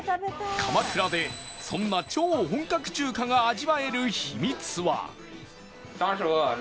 鎌倉でそんな超本格中華が味わえる秘密は